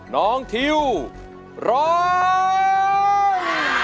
น้องทิวร้อง